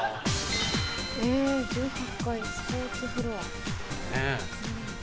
え１８階スポーツフロア。